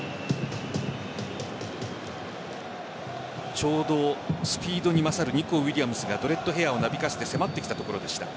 ちょうどスピードに勝るニコウィリアムズがドレッドヘアをなびかせて迫ってきたところでした。